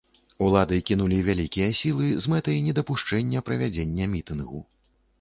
Улады, кінулі вялікія сілы з мэтай недапушчэння правядзення мітынгу.